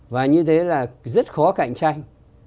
và như thế là rất khó cạnh tranh